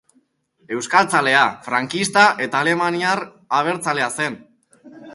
Euskaltzalea, frankista eta alemaniar abertzalea zen.